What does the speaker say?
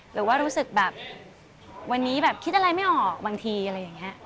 หรือว่ารู้สึกแบบวันนี้แบบคิดอะไรไม่ออกบางทีอะไรอย่างนี้